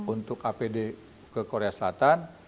untuk apd ke korea selatan